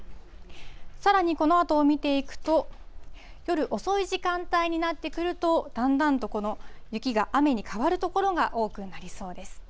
さらにこのあとを見ていくと、夜遅い時間帯になってくると、だんだんとこの雪が雨に変わる所が多くなりそうです。